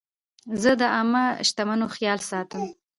زه د عامه شتمنیو خیال ساتم.